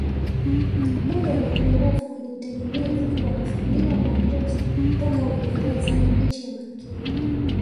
Moja ya mapungufu ni utegemezi wa kufanyiwa maamuzi toka Uingereza chini ya Malkia